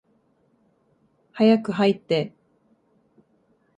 早く入って。